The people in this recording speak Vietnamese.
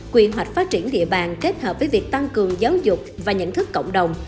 quy hoạch phát triển địa bàn kết hợp với việc tăng cường giáo dục và nhận thức cộng đồng